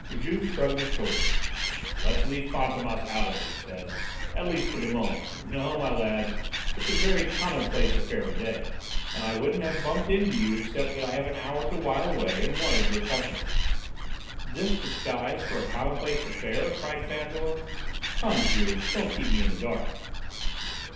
Juve shrugged his shoulders. "Let's leave Fantômas out of it," he said. "At least for the moment. No, my lad, it's a very commonplace affair to day, and I wouldn't have bumped into you except that I have an hour to while away and wanted your company." "This disguise for a commonplace affair?" cried Fandor. "Come, Juve, don't keep me in the dark."